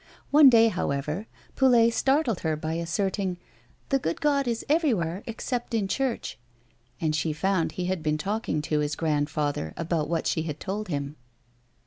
One day, however, Poulet startled her by asserting : "The good God is everywhere except in church," and she found he had been talking to his grand father about what she had told him.